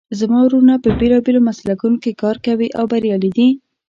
زما وروڼه په بیلابیلو مسلکونو کې کار کوي او بریالي دي